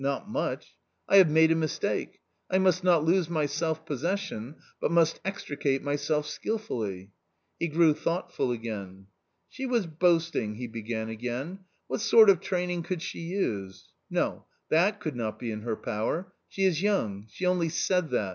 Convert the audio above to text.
not much ! I have A COMMON STORY 139 made a mistake, I must not lose my self possession, but must extricate myself skilfully." He grew thoughtful again. " She was boasting," he began again, " what sort of training could she use ? no, that could not be in her power ; she is young ! she only said that